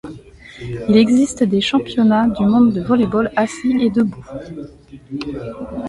Il existe des championnats du monde de volley-ball assis et debout.